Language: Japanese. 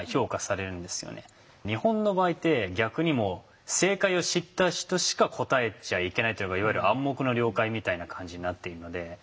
日本の場合って逆に正解を知った人しか答えちゃいけないというかいわゆる暗黙の了解みたいな感じになっているので。